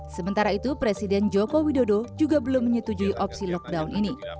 sementara itu presiden joko widodo juga belum menyetujui opsi lockdown ini